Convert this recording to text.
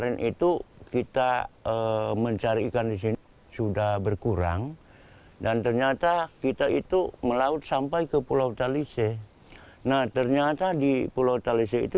nah ternyata di pulau talise itu